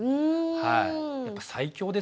はい。